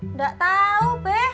nggak tau be